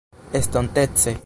estontece